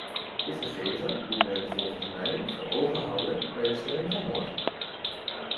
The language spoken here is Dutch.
Dit gegeven moet men volgens mij voor ogen houden bij de stemming van morgen.